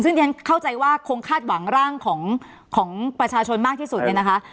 ซึ่งเข้าใจว่าคงคาดหวังร่างของประชาชนมากที่สุด